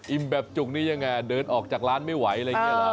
แบบจุกนี้ยังไงเดินออกจากร้านไม่ไหวอะไรอย่างนี้หรอ